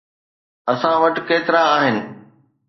اسان وٽ ڪيترا آهن؟